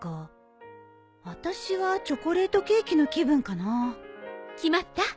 あたしはチョコレートケーキの気分かな決まった？